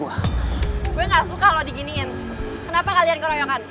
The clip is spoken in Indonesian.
gue gak suka lo diginingin kenapa kalian keroyokan